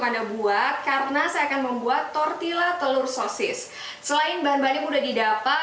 kita buat karena saya akan membuat tortilla telur sosis selain bahan bahannya mudah didapat